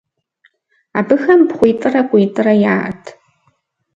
Абыхэм пхъуитӏрэ къуитӏрэ яӏэт.